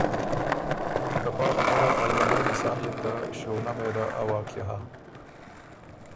ته پا خبُره ا ݫوندئ مثال يې ته ݭُغنۀ مېله ا واقعه هۀ